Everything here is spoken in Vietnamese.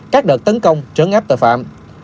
các đợt tấn công trấn áp tội phạm